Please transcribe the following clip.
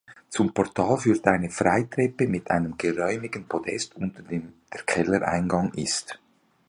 Zum Portal führt eine Freitreppe mit einem geräumigen Podest unter dem der Kellereingang ist.